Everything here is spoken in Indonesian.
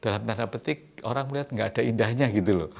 dalam tanda petik orang melihat nggak ada indahnya gitu loh